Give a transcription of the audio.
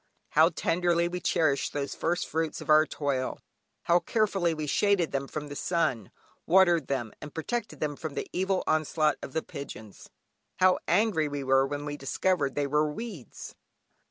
How tenderly we cherished these first fruits of our toil; how carefully we shaded them from the sun, watered them, and protected them from the evil onslaught of the pigeons. How angry we were when we discovered they were weeds.